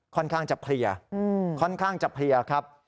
ค่อนข้างจะเพลียค่อนข้างจะเพลียครับ